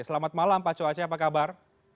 selamat malam pak coace apa kabar